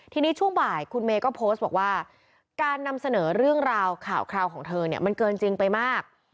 ทีนี้ช่วงบ่ายคุณเมย์ก็โพสต์บอกว่าการนำเสนอเรื่องราวข่าวคราวของเธอเนี่ยมันเกินจริงไปมาก